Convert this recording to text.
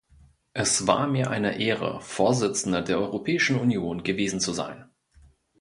Es war mir eine Ehre, Vorsitzender der Europäischen Union gewesen zu sein.